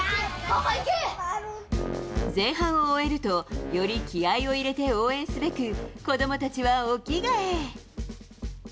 前半を終えると、より気合いを入れて応援すべく、子どもたちはお着替え。